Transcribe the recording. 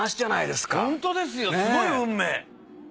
すごい運命。